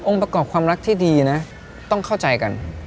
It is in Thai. ประกอบความรักที่ดีนะต้องเข้าใจกัน